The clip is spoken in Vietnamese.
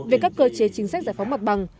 về các cơ chế chính sách giải phóng mặt bằng